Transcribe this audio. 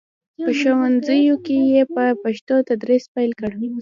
په ښوونځیو کې یې په پښتو تدریس پیل کړ.